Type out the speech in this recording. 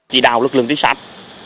chỉ đào lực lượng tính sản